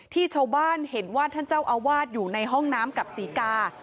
ที่ชาวบ้านเห็นว่าท่านเจ้าอาวาสอยู่ในห้องน้ำกับศรีกา